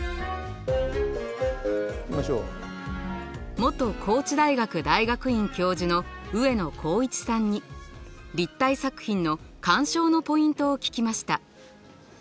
元高知大学大学院教授の上野行一さんに立体作品の鑑賞のポイントを聞きました。